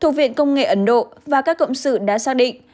thuộc viện công nghệ ấn độ và các cộng sự đã xác định